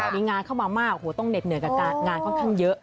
มีงานเข้ามามากโอ้โหต้องเหน็ดเหนื่อยกับงานค่อนข้างเยอะ